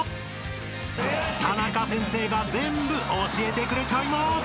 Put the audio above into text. ［タナカ先生が全部教えてくれちゃいます！］